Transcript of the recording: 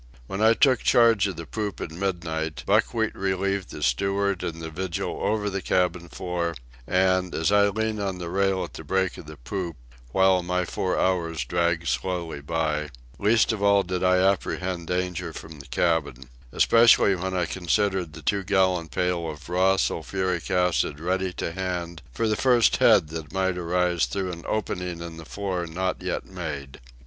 When I took charge of the poop at midnight Buckwheat relieved the steward in the vigil over the cabin floor; and as I leaned on the rail at the break of the poop, while my four hours dragged slowly by, least of all did I apprehend danger from the cabin—especially when I considered the two gallon pail of raw sulphuric acid ready to hand for the first head that might arise through an opening in the floor not yet made.